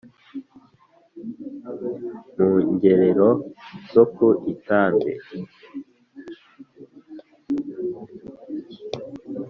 Mu ngerero zo ku i Itambi;